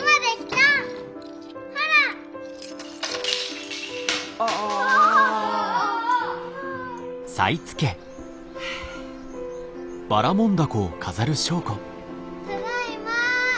ただいま。